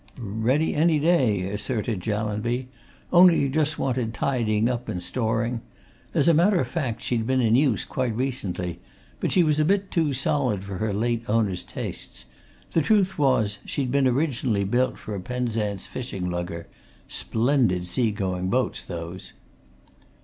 "Ready any day," asserted Jallanby. "Only just wanted tidying up and storing. As a matter of fact, she'd been in use, quite recently, but she was a bit too solid for her late owner's tastes the truth was, she'd been originally built for a Penzance fishing lugger splendid sea going boats, those!"